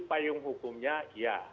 payung hukumnya ya